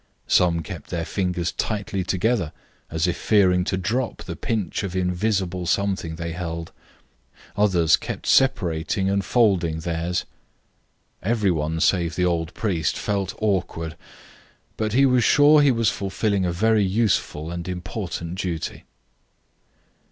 Some kept their fingers tightly together, as if fearing to drop the pinch of invisible something they held; others kept separating and folding theirs. Every one save the old priest felt awkward, but he was sure he was fulfilling a very useful and important duty.